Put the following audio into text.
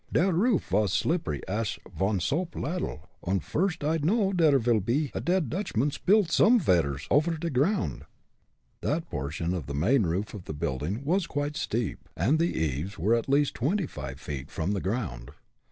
Der roof vas slippery ash von soap ladle, und first I know der vil pe a dead Dutchmon spilled someveres over t'e ground." That portion of the main roof of the building was quite steep, and the eaves were at least twenty five feet from the ground.